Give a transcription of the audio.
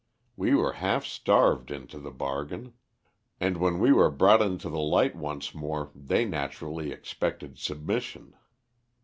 We were half starved into the bargain, and when we were brought into the light once more they naturally expected submission.